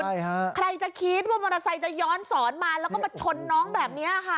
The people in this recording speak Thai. ใช่ค่ะใครจะคิดว่ามอเตอร์ไซค์จะย้อนสอนมาแล้วก็มาชนน้องแบบนี้ค่ะ